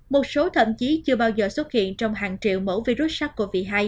một số thậm chí chưa bao giờ xuất hiện trong hàng triệu mẫu virus sars cov hai